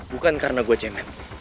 bukan karena gue cemen